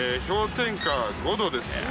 氷点下５度です。